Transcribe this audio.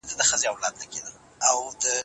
د دې ونو ډولونه زرګونه شمېر ته رسیږي.